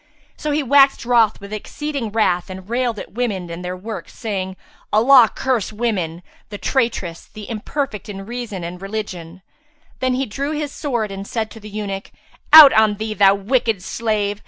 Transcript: So he waxed wroth with exceeding wrath and railed at women and their works, saying, "Allah curse women, the traitresses, the imperfect in reason and religion!"[FN#359] Then he drew his sword and said to the eunuch, "Out on thee, thou wicked slave!